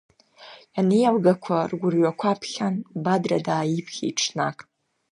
Ианеилгақәа, ргәырҩақәа ԥхьак, Бадра дааиԥхьеит ҽнак.